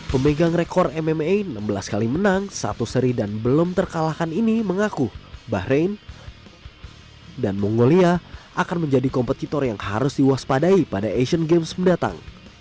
pemegang rekor mma enam belas kali menang satu seri dan belum terkalahkan ini mengaku bahrain dan mongolia akan menjadi kompetitor yang harus diwaspadai pada asian games mendatang